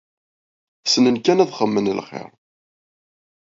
Ssnen kan ad xedmen lxir.